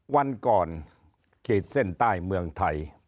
วันก่อนขีดเส้นใต้เมืองไทย